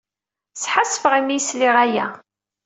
Sḥassfeɣ imi ay sliɣ aya.